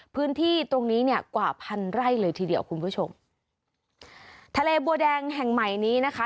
พื้นที่ตรงนี้เนี่ยกว่าพันไร่เลยทีเดียวคุณผู้ชมทะเลบัวแดงแห่งใหม่นี้นะคะ